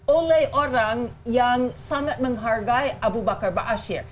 oleh orang yang sangat menghargai abu bakar ba'asyir